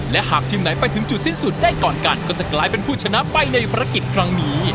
และหากทีมไหนไปถึงจุดสิ้นสุดได้ก่อนกันก็จะกลายเป็นผู้ชนะไปในภารกิจครั้งนี้